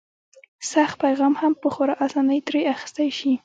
سخت پیغام هم په خورا اسانۍ ترې اخیستی شي.